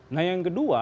nah yang kedua